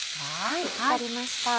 はい分かりました。